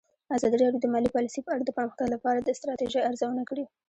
ازادي راډیو د مالي پالیسي په اړه د پرمختګ لپاره د ستراتیژۍ ارزونه کړې.